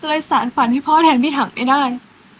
เลยสารฝันให้พ่อแทนพี่ถังไม่ได้